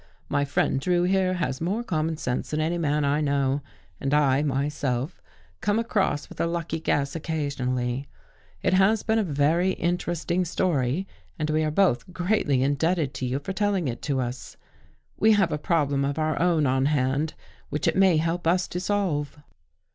My friend Drew, here, has more common sense than any man I know. And I, myself, come across with a lucky guess occasion ally. It has been a very interesting story and we are both greatly indebted to you for telling it to us. We have a problem of our own on hand which it may help us to solve."